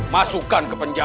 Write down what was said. masukkan ke penjara